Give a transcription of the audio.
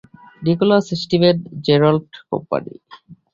Nicolas Steven Gerrard company.